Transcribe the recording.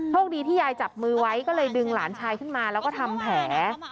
คดีที่ยายจับมือไว้ก็เลยดึงหลานชายขึ้นมาแล้วก็ทำแผล